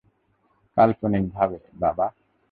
কাল্পনিকভাবে, বাবা।